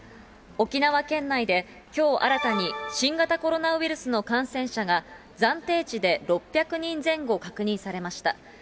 沖縄県内できょう新たに、新型コロナウイルスの感染者が暫定値で６００人前後確認されました。